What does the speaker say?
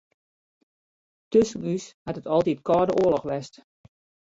Tusken ús hat it altyd kâlde oarloch west.